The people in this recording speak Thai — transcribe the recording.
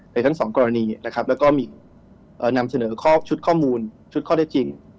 ทั้งสองกรณีนะครับแล้วก็มีนำเสนอข้อชุดข้อมูลชุดข้อได้จริง